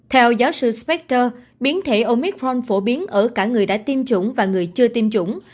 theo giáo sư spactor biến thể omitforn phổ biến ở cả người đã tiêm chủng và người chưa tiêm chủng